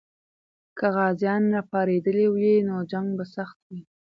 که غازیان راپارېدلي وي، نو جنګ به سخت وي.